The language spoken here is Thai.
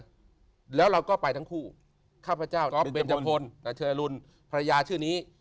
พระเจ้าก็ไปทั้งคู่ข้าพเจ้าเบรจพลนักเชื้อรุณภรรยาชื่อนี้